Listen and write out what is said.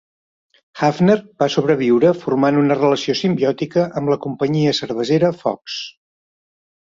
Hafner va sobreviure formant una relació simbiòtica amb la Companyia Cervesera Fox.